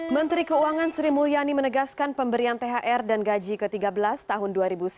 menteri keuangan sri mulyani menegaskan pemberian thr dan gaji ke tiga belas tahun dua ribu sembilan belas